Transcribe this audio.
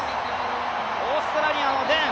オーストラリアのデン。